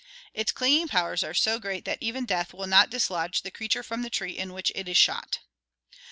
Its clinging powers are so great that even death will not dislodge the creature from the tree in which it is shot.